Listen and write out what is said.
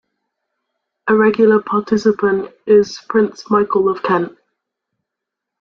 A regular participant is Prince Michael of Kent.